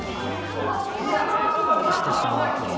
その隣のやつもまあまあ長いぞ！